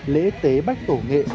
lễ tế bách tổ nghệ